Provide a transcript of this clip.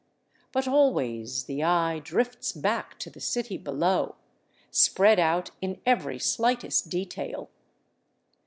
But always the eye drifts back to the city below, spread out in every slightest detail.